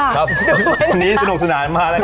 ครับวันนี้สนุกสนานมากนะครับ